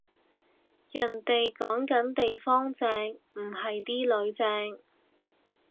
人哋講緊地方正，唔係啲囡正